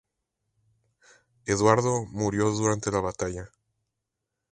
Eduardo murió durante la batalla.